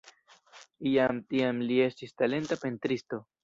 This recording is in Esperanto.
Jam tiam li estis talenta pentristo.